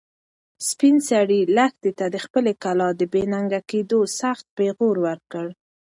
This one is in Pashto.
سپین سرې لښتې ته د خپلې کلا د بې ننګه کېدو سخت پېغور ورکړ.